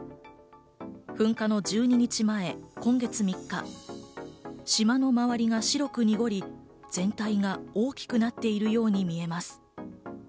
噴火の１２日前、今月３日、島の周りが白く濁り、全体が大きくなっているように見えます。